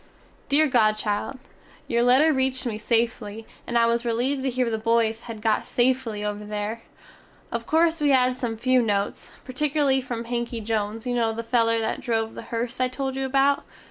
Deer godchild, Your letter reeched me safely, and I was releeved to here the boys had got safely "over there." Of corse we have had some few notes, pertikerly from Hanky Jones you no the feller that drove the hearse I tole you about.